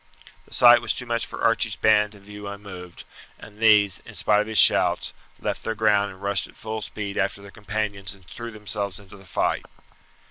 The sight was too much for Archie's band to view unmoved, and these, in spite of his shouts, left their ground and rushed at full speed after their companions and threw themselves into the fight.